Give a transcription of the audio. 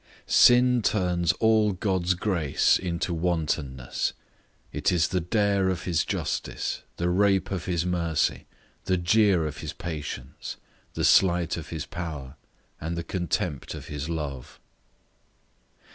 Sin turns all God's grace into wantonness: it is the dare of his justice; the rape of his mercy; the jeer of his patience; the slight of his power; and the contempt of his love.